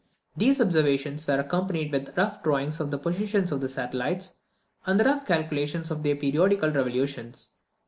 These observations are accompanied with rough drawings of the positions of the satellites, and rough calculations of their periodical revolutions.